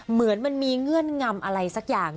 เหมือนมันมีเงื่อนงำอะไรสักอย่าง